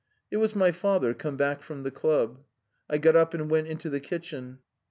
It was my father returning from the club. I got up and went into the kitchen.